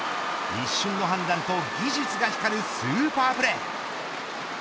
一瞬の判断と技術が光るスーパープレー。